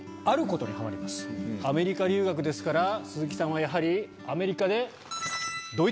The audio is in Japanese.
アメリカ留学ですから鈴木さんはやはりアメリカで。